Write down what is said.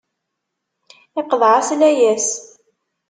Iqḍeɛ-as layas.